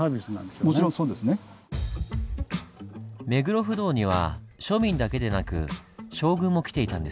目黒不動には庶民だけでなく将軍も来ていたんですね。